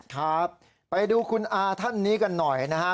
ครับไปดูคุณอาท่านนี้กันหน่อยนะฮะ